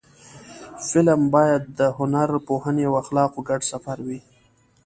فلم باید د هنر، پوهنې او اخلاقو ګډ سفر وي